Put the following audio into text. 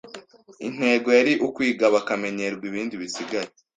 intego yari ukwiga bakamenyerwa ibindi bisigaye